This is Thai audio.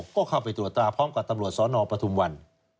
ก็เข้าไปตรวจตาพร้อมกับตำรวจสนปฐุมวัน